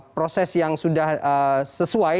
proses yang sudah sesuai